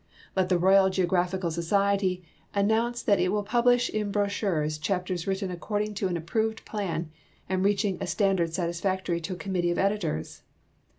Let the Royal Geographical Society announce that it will ])uhlish in hrochurcs chapters written according to an approved )»lan and reaching a standard satisfactor}' to a committee of editors.